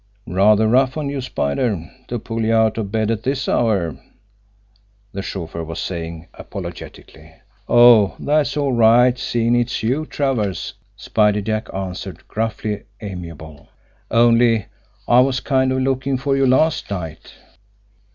"Rather rough on you, Spider, to pull you out of bed at this hour," the chauffeur was saying apologetically. "Oh, that's all right, seein' it's you, Travers," Spider Jack answered, gruffly amiable. "Only I was kind of lookin' for you last night."